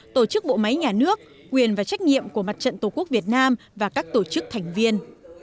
tổ chức bộ máy nhà nước quyền và trách nhiệm của mặt trận tổ quốc việt nam và các tổ chức thành viên